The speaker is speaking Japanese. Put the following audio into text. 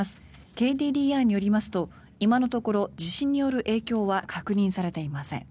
ＫＤＤＩによりますと今のところ地震による影響は確認されていません。